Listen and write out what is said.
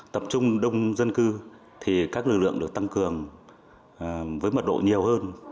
tập trung đông dân cư thì các lực lượng được tăng cường với mật độ nhiều hơn